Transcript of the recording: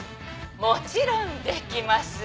もちろんできます。